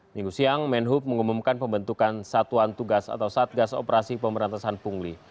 minggu siang menhub mengumumkan pembentukan satuan tugas atau satgas operasi pemberantasan pungli